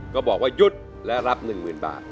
ก็บอกว่ายุดแล้วรับ๑๐๐๐๐บาท